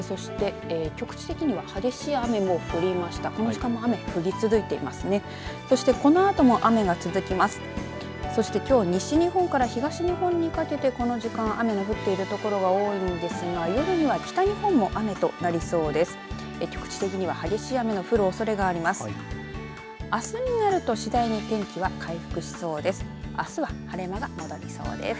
そして今日、西日本から東日本にかけて、この時間雨の降っている所、多いんですが夜には北日本も雨となりそうです。